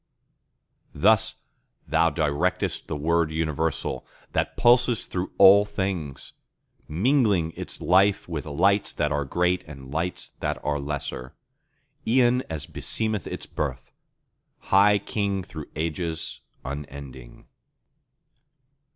Thus Thou directest the Word universal that pulses through all things, Mingling its life with Lights that are great and Lights that are lesser, E'en as beseemeth its birth, High King through ages unending.